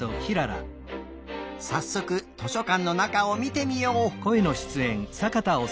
さっそく図書かんのなかをみてみよう！